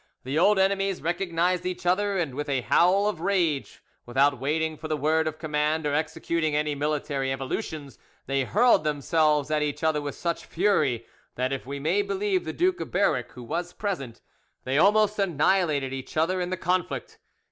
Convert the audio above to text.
The old enemies recognised each other, and with a howl of rage, without waiting for the word of command or executing any military evolutions, they hurled themselves at each other with such fury that, if we may believe the Duke of Berwick, who was present, they almost annihilated each other in the conflict.